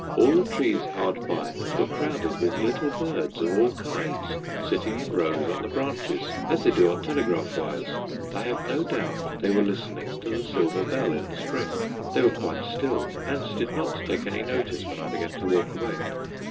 All the trees hard by were crowded with little birds of all kinds sitting in rows on the branches as they do on telegraph wires. I have no doubt they were listening to the silver bell in the spring. They were quite still, and did not take any notice when I began to walk away.